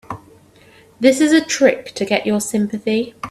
This is a trick to get your sympathy.